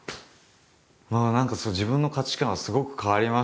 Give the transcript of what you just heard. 何か自分の価値観はすごく変わりましたね。